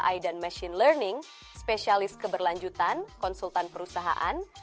spesialis ai dan machine learning spesialis keberlanjutan konsultan perusahaan